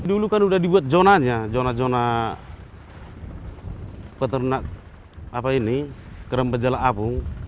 dulu kan udah dibuat jonanya jonak jonak peternak apa ini keramba jala apung